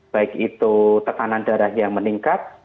baik itu tekanan darah yang meningkat